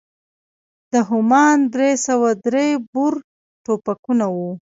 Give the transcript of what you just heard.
دا همان درې سوه درې بور ټوپکونه وو.